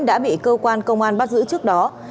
đã bị cơ quan công an bắt giữ trước đó